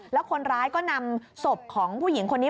แล้วคนร้ายก็นำศพของผู้หญิงคนนี้